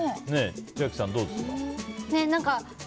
千秋さん、どうですか？